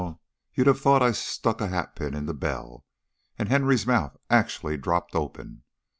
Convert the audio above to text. _ You'd have thought I had stuck a hatpin into Bell. And Henry's mouth actually dropped open.